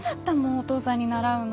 お父さんに習うの。